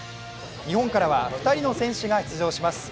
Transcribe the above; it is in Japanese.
日本からは２人の選手が出場します